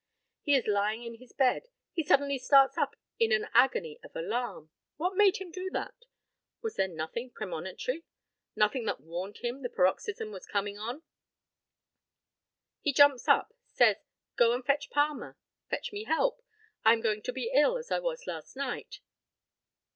He is lying in his bed; he suddenly starts up in an agony of alarm. What made him do that? Was there nothing premonitory nothing that warned him the paroxysm was coming on? He jumps up, says "Go and fetch Palmer fetch me help I am going to be ill as I was last night."